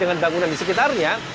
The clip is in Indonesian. dengan bangunan di sekitarnya